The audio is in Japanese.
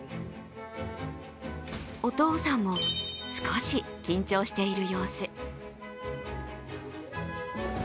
お父さんも少し緊張している様子。